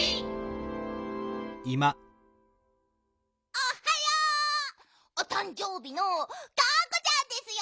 おっはよ！おたんじょうびのがんこちゃんですよ！